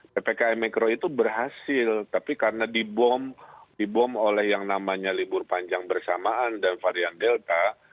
ppkm mikro itu berhasil tapi karena dibom oleh yang namanya libur panjang bersamaan dan varian delta